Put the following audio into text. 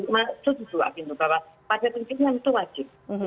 maksudnya juga apnu bahwa pajak intinya itu wajib